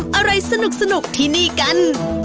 อะไรสนุกที่นี่กัน